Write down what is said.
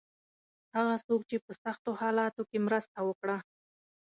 هغه څوک چې په سختو حالاتو کې مرسته وکړه.